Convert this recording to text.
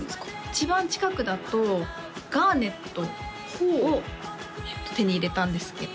一番近くだとガーネットをやっと手に入れたんですけど